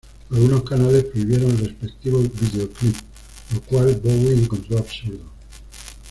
Algunos canales prohibieron el respectivo videoclip, lo cual Bowie encontró absurdo.